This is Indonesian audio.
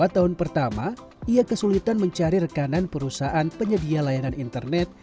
dua tahun pertama ia kesulitan mencari rekanan perusahaan penyedia layanan internet